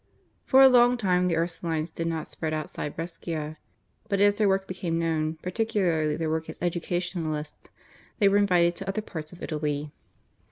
For a long time the Ursulines did not spread outside Brescia, but as their work became known, particularly their work as educationalists, they were invited to other parts of Italy.